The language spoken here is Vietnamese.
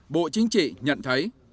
bộ chính trị nhận thấy